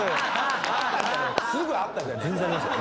すぐあったじゃねえか。